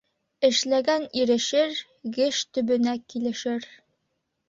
Эшләгән ирешер, геш төбөнә килешер.